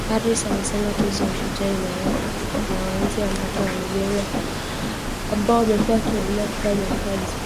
Harris alisema Tuzo ya Ushujaa inawaenzi wanawake wa Liberia ambao wamekuwa wakiendelea kufanya kazi